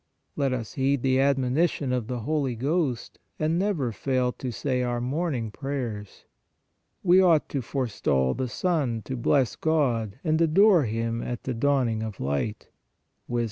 Let us heed the admonition of the Holy Ghost, and never fail to say our morning prayers :" We ought to forestall the sun to bless God and adore Him at the dawning of light " (Wisd.